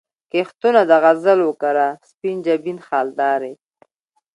کښتونه د غزل وکره، سپین جبین خالدارې